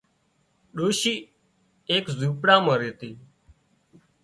ڏوشي ايڪ زونپڙا مان ريتي